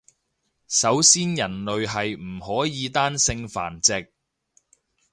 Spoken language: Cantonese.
首先人類係唔可以單性繁殖